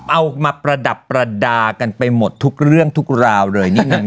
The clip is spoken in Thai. เอามาประดับประดากันไปหมดทุกเรื่องทุกราวเลยนิดนึง